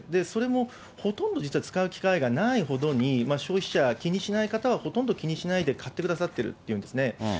それもほとんど実は使う機会がないほどに、消費者、気にしない方はほとんど気にしないで買ってくださってるって言うんですね。